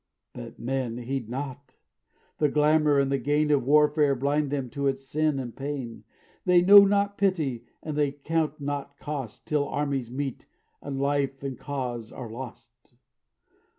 "But men heed not; the glamor and the gain Of warfare blind them to its sin and pain; They know not pity and they count not cost Till armies meet and life and cause are lost.